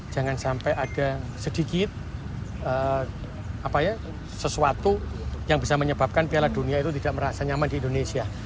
jangan sampai ada sedikit sesuatu yang bisa menyebabkan piala dunia itu tidak merasa nyaman di indonesia